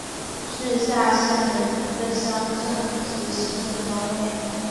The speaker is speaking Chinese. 是下辖的一个乡镇级行政单位。